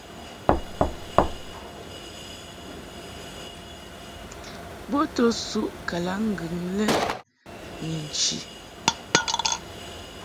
Bo to suʼ kalaŋŋgɨŋ kɛ ni nchi.